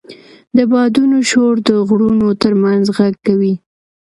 د بادونو شور د غرونو تر منځ غږ کوي.